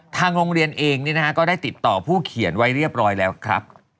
ทางโรงเรียนเองก็ได้ติดต่อผู้เขียนไว้เรียบร้อยแล้วครับ